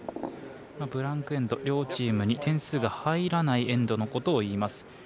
ブランク・エンド両チームに点数が入らないエンドのことを言います。